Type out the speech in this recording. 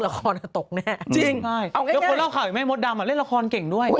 แล้วคนเล่าข่าวแม่มดดำเล่นละครเก่งด้วย